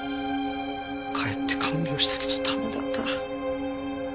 帰って看病したけど駄目だった。